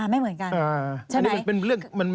ไม่เหมือนกัน